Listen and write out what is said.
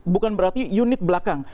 bukan berarti unit belakang